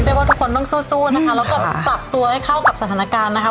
ว่าทุกคนต้องสู้นะคะแล้วก็ปรับตัวให้เข้ากับสถานการณ์นะคะ